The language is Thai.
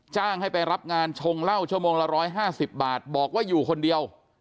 จ้างให้ไปรับงานชงเหล้าชั่วโมงละ๑๕๐บาทบอกว่าอยู่คนเดียว